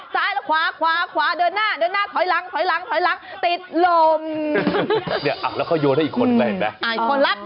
โตไข่ดูก๋อเมื่อกี้ดูสิ